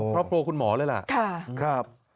พระโปรคุณหมอเลยล่ะ